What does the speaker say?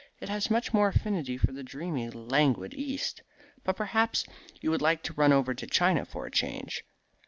It has much more affinity for the dreamy, languid East. But perhaps you would like to run over to China for a change?"